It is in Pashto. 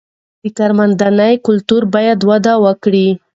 د کارموندنې کلتور باید وده وکړي.